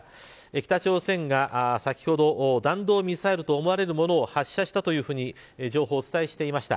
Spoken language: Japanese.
北朝鮮が先ほど弾道ミサイルと思われるものを発射したというふうに情報をお伝えしていました。